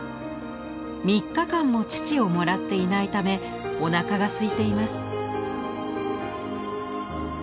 ３日間も乳をもらっていないためおなかがすいています。